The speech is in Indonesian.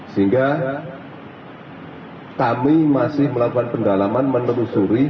sehingga kami masih melakukan pendalaman menelusuri